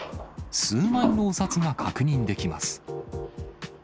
数枚のお札が確認できます。